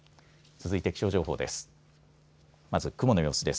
続いて気象情報です。